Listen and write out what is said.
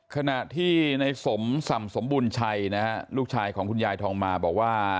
ขณะที่ในสมส่ำสมบูรณชัยนะฮะลูกชายของคุณยายทองมาบอกว่า